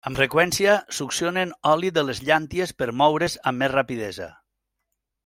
Amb freqüència succionen oli de les llànties per moure's amb més rapidesa.